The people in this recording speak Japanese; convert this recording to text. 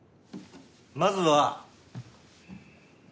まずは。